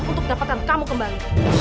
untuk dapatkan kamu kembali